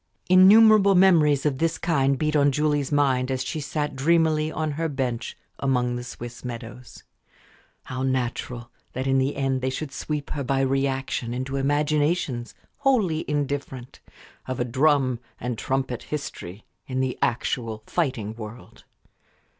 Innumerable memories of this kind beat on Julie's mind as she sat dreamily on her bench among the Swiss meadows. How natural that in the end they should sweep her by reaction into imaginations wholly indifferent of a drum and trumpet history, in the actual fighting world.